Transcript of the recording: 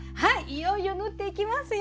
いよいよ縫っていきますよ。